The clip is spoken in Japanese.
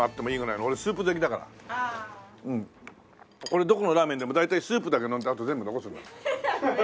俺どこのラーメンでも大体スープだけ飲んであと全部残すんだよ。